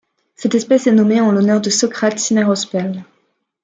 Cette espèce est nommée en l'honneur de Sócrates Cisneros Paz.